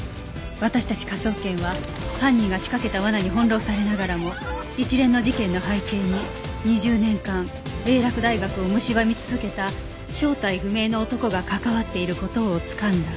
私たち科捜研は犯人が仕掛けた罠に翻弄されながらも一連の事件の背景に２０年間英洛大学を蝕み続けた正体不明の男が関わっている事をつかんだ